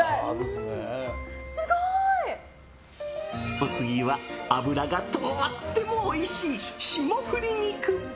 お次は、脂がとってもおいしい霜降り肉！